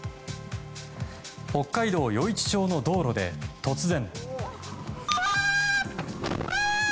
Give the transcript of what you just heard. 北海道余市町の道路で突然。